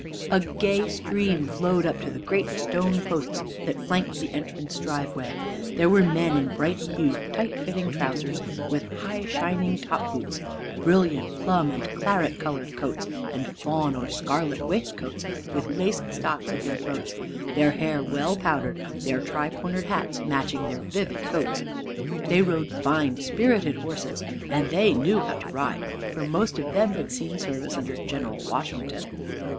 A gay stream flowed up to the great stone posts that flanked the entrance driveway. There were men in bright hued, tight fitting trousers with high shining top boots, brilliant plum and claret colored coats and fawn or scarlet waistcoats, with lace stocks at their throats, their hair well powdered, their tri cornered hats matching their vivid coats. They rode fine, spirited horses, and they knew how to ride, for most of them had seen service under General Washington.